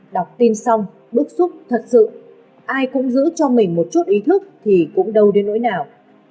đọc tin xong bức xúc thật sự ai cũng giữ cho mình một chút ý thức thì cũng đâu đến nỗi nào